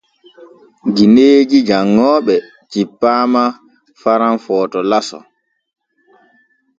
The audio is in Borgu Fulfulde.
Gineeji janŋooɓe cippaama Faran Footo laso.